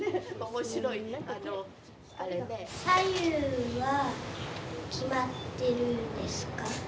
左右は決まってるんですか？